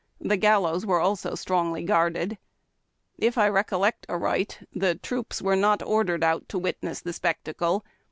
The gallows also was strongly guarded. If I recollect aright, the trooj^^ were not ordered out to witness tlie spectacle.